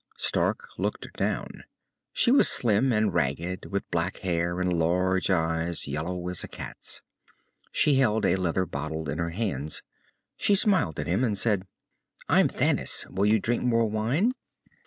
Stark looked down. She was slim and ragged, with black hair and large eyes yellow as a cat's. She held a leather bottle in her hands. She smiled at him and said, "I'm Thanis. Will you drink more wine?"